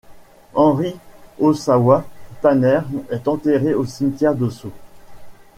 Henry Ossawa Tanner est enterré au cimetière de Sceaux.